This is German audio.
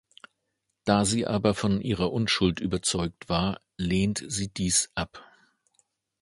Da sie aber von ihrer Unschuld überzeugt war, lehnt sie dies ab.